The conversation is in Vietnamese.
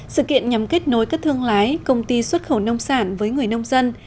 sự kiện nhằm kết nối các thương lái công ty xuất khẩu nông sản với người nông dân